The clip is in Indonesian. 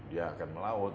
dia akan melaut